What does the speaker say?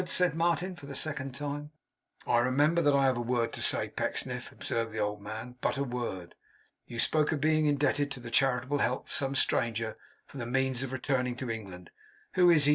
said Martin, for the second time. 'I remember that I have a word to say, Pecksniff,' observed the old man. 'But a word. You spoke of being indebted to the charitable help of some stranger for the means of returning to England. Who is he?